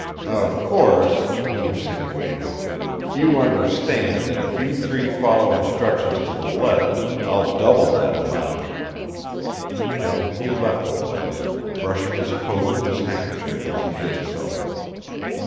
"Of course," he insinuated, "you understand that if you three follow instructions to the letter I'll double that amount." Then he left the place, brushing his coat with his handkerchief as he did so.